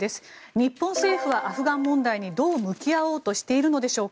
日本政府はアフガン問題にどう向き合おうとしているのでしょうか。